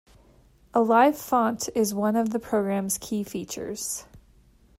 A 'LiveFont' is one of the program's key features.